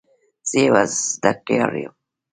زه یو زده کړیال یم.